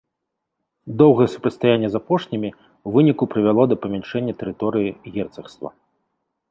Доўгае супрацьстаянне з апошнімі ў выніку прывяло да памяншэння тэрыторыі герцагства.